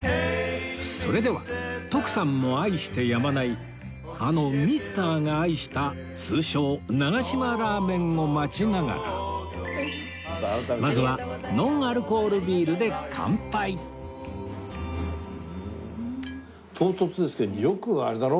それでは徳さんも愛してやまないあのミスターが愛した通称長嶋ラーメンを待ちながらまずは唐突ですけどよくあれだろ？